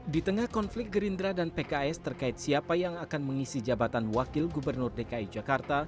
di tengah konflik gerindra dan pks terkait siapa yang akan mengisi jabatan wakil gubernur dki jakarta